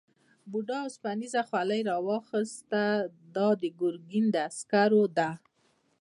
بوډا اوسپنيزه خولۍ واخیسته دا د ګرګین عسکرو ده.